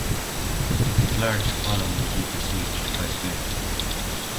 With his large following he besieged Kaifeng.